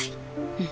うん。